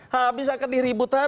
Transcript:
habis akan diribut